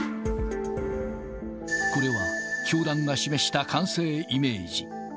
これは教団が示した完成イメージ。